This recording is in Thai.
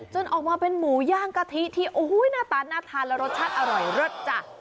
จนออกมาเป็นหมูย่างกะทิที่โอ้โหหน้าตาน่าทานและรสชาติอร่อยเลิศจ้ะ